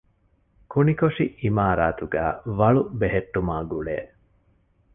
ކުނިކޮށި އިމާރާތުގައި ވަޅު ބެހެއްޓުމާގުޅޭ